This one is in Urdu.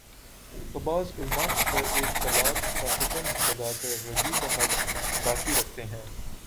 تو بعض علما اس پر ایک طلاق کا حکم لگا کر رجوع کا حق باقی رکھتے ہیں